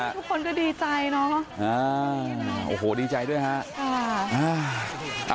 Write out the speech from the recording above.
ทุกคนก็ดีใจเนอะอ่าโอ้โหดีใจด้วยฮะค่ะอ่า